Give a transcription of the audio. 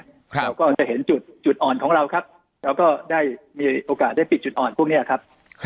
เราก็จะเห็นจุดอ่อนของเราครับเราก็ได้มีโอกาสได้ปิดจุดอ่อนพวกนี้ครับ